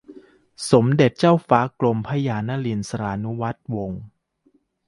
สมเด็จเจ้าฟ้ากรมพระยานริศรานุวัติวงศ์